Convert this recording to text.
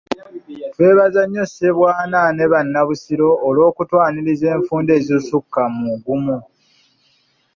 Twebaza nnyo Ssebwana ne Bannabusiro olw'okutwaniriza enfunda ezisukka mu gumu.